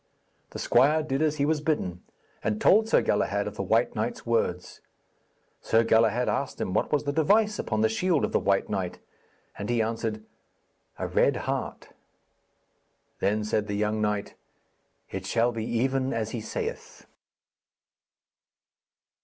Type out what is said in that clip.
The squire did as he was bidden, and told Sir Galahad of the white knight's words. Sir Galahad asked him what was the device upon the shield of the white knight, and he answered, 'A red heart.' Then said the young knight, 'It shall be even as he saith.'